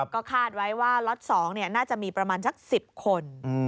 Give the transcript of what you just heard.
ก็คาดไว้ว่าล็อต๒น่าจะมีประมาณสัก๑๐คน